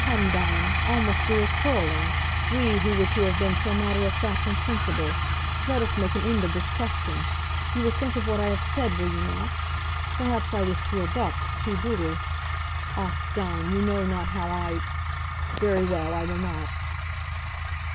"Come, Dawn, almost we are quarreling we who were to have been so matter of fact and sensible. Let us make an end of this question. You will think of what I have said, will you not? Perhaps I was too abrupt, too brutal. Ach, Dawn, you know not how I Very well, I will not."